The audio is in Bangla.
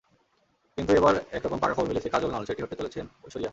কিন্তু এবার একরকম পাকা খবর মিলেছে, কাজল নন, সেটি হতে চলেছেন ঐশ্বরিয়া।